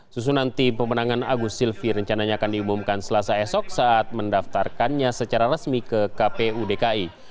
susunan tim pemenangan agus silvi rencananya akan diumumkan selasa esok saat mendaftarkannya secara resmi ke kpu dki